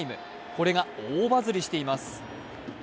これが大バズりしています。